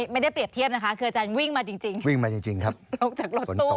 คือที่ท่านถามอาจารย์แบบนี้เนื่องจาก